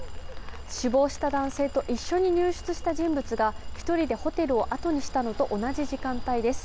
死亡した男性と一緒に入室した人物が１人でホテルをあとにしたのと同じ時間帯です。